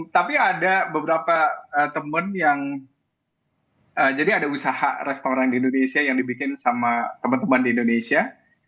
tapi ada beberapa temen yang jadi ada usaha restoran di indonesia yang dibikin sama teman teman di indonesia